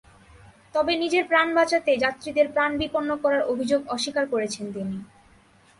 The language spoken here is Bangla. তবে নিজের প্রাণ বাঁচাতে যাত্রীদের প্রাণ বিপন্ন করার অভিযোগ অস্বীকার করেছেন তিনি।